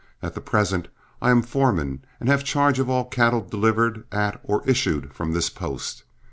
At present I am foreman and have charge of all cattle delivered at or issued from this post.